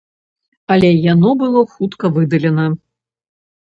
Але яно было хутка выдалена.